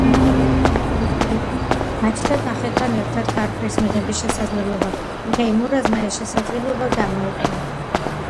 გაჩნდა კახეთთან ერთად ქართლის მიღების შესაძლებლობა და თეიმურაზმა ეს შესაძლებლობა გამოიყენა.